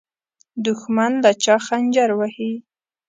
دښمن له شا خنجر وهي